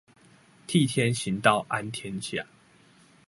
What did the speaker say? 替天行道安天下